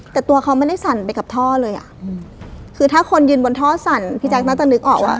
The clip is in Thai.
แต่ตัวเขาไม่ได้สั่นไปกับท่อเลยอ่ะคือถ้าคนยืนบนท่อสั่นพี่แจ๊คน่าจะนึกออกว่า